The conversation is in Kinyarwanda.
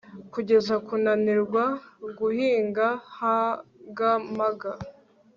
Kugeza kunanirwa guhinga huggermugger